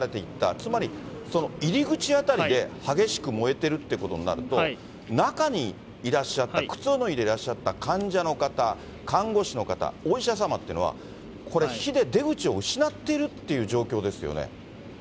つまり、入り口辺りで、激しく燃えてるってことになると、中にいらっしゃった、靴を脱いでいらっしゃった患者の方、看護師の方、お医者様っていうのは、これ、火で出口を失ってるっていう状況ですよね。